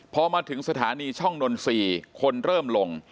พอมาถึงสถานีช่องนนทรีย์คนเริ่มลง